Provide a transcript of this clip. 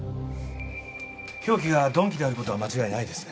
凶器が鈍器である事は間違いないですね。